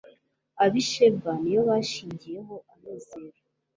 ab'i sheba ni yo bashingiyeho amizero